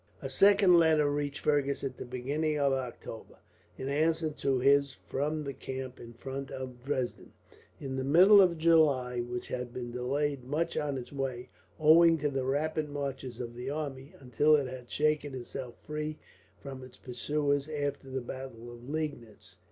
A second letter reached Fergus at the beginning of October; in answer to his from the camp in front of Dresden, in the middle of July, which had been delayed much on its way, owing to the rapid marches of the army, until it had shaken itself free from its pursuers after the battle of Liegnitz.